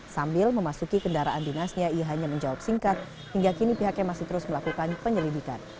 sambil memasuki kendaraan dinasnya ia hanya menjawab singkat hingga kini pihaknya masih terus melakukan penyelidikan